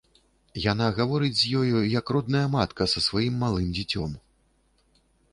Яна гаворыць з ёю, як родная матка са сваім малым дзіцем.